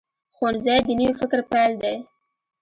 ښوونځی د نوي فکر پیل دی